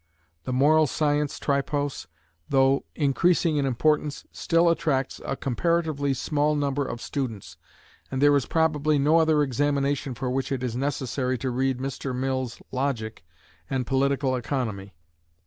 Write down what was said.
The moral science tripos, though increasing in importance, still attracts a comparatively small number of students, and there is probably no other examination for which it is necessary to read Mr. Mill's "Logic" and "Political Economy."